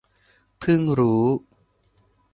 เพิ่งรู้